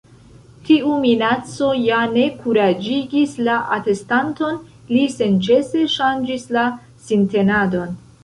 Tiu minaco ja ne kuraĝigis la atestanton. Li senĉese ŝanĝis la sintenadon.